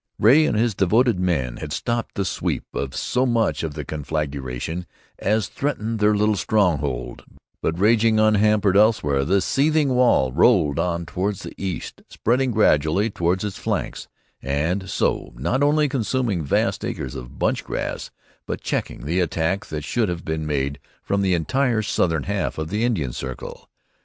Ray and his devoted men had stopped the sweep of so much of the conflagration as threatened their little stronghold, but, ranging unhampered elsewhere, the seething wall rolled on toward the east, spreading gradually toward its flanks, and so, not only consuming vast acres of bunch grass, but checking the attack that should have been made from the entire southern half of the Indian circle.